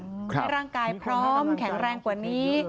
ให้ร่างกายพร้อมแข็งแรงกว่านี้